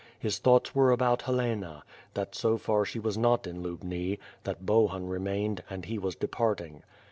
His thoughts were about Helena, that so far she was not in Lubni, that Bohun remained and he was departing.